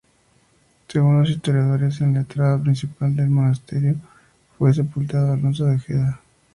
Según los historiadores, en la entrada principal del monasterio fue sepultado Alonso de Ojeda.